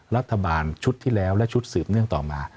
รัฐบาลชุดที่แล้วและชุดสืบเนื่องต่อมา